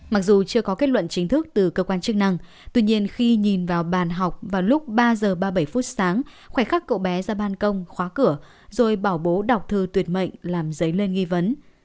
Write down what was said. mặc dù chưa có kết luận chính thức từ cơ quan chức năng tuy nhiên khi nhìn vào bàn học vào lúc ba h ba mươi bảy phút sáng khỏe khắc cậu bé ra ban công khóa cửa rồi bỏ bố đọc thư tuyệt mệnh làm dấy lên nghi vấn